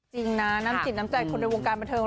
จริงนะน้ำจิตน้ำใจคนในวงการบันเทิง